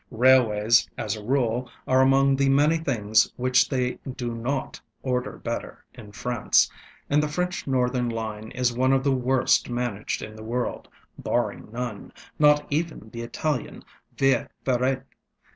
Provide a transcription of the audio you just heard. Railways, as a rule, are among the many things which they do not order better in France, and the French Northern line is one of the worst managed in the world, barring none, not even the Italian vie ferrate.